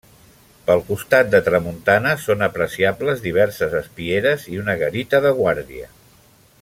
Pel costat de tramuntana són apreciables diverses espieres i una garita de guàrdia.